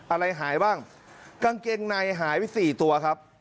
อะไรหายบ้างกางเกงในหายไปสี่ตัวครับ